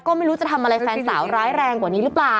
ก็ไม่รู้จะทำอะไรแฟนสาวร้ายแรงกว่านี้หรือเปล่า